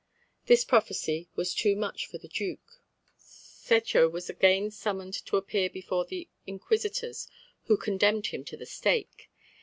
This prophecy was too much for the Duke. Cecco was again summoned to appear before the Inquisitors, who condemned him to the stake.